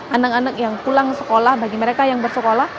anak anak yang pulang sekolah bagi mereka yang bersekolah